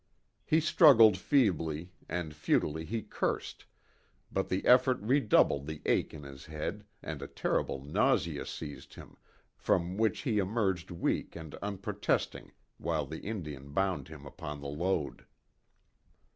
He struggled feebly, and futilely he cursed, but the effort redoubled the ache in his head, and a terrible nausea seized him, from which he emerged weak and unprotesting while the Indian bound him upon the load.